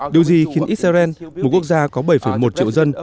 điều gì khiến israel một quốc gia có bảy một triệu dân